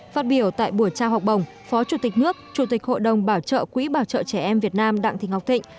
phát biểu tại buổi trao học bổng phó chủ tịch nước chủ tịch hội đồng bảo trợ quỹ bảo trợ trẻ em việt nam đặng thị ngọc thịnh